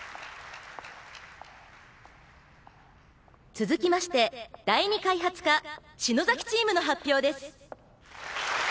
続きまして第二開発課篠崎チームの発表です。